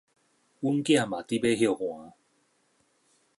阮囝嘛咧欲歇寒矣